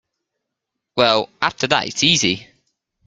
Well, after that it's easy.